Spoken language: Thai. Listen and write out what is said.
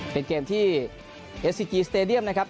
เป็นเกมที่เอสซิกีสเตดียมนะครับ